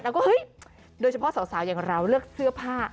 แล้วก็เฮ้ยโดยเฉพาะสาวอย่างเราเลือกเสื้อผ้า